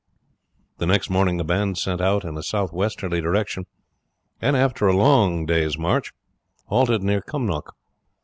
The next morning the band set out in a southwesterly direction, and after a long day's march halted near Cumnock.